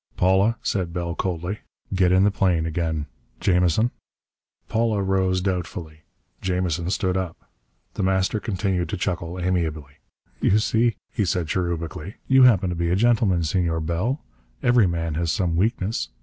"Paula," said Bell coldly, "get in the plane again. Jamison " Paula rose doubtfully. Jamison stood up. The Master continued to chuckle amiably. "You see," he said cherubically, "you happen to be a gentleman, Senor Bell. Every man has some weakness.